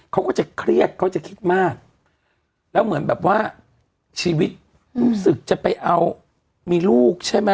เขาก็จะเครียดเขาจะคิดมากแล้วเหมือนแบบว่าชีวิตรู้สึกจะไปเอามีลูกใช่ไหม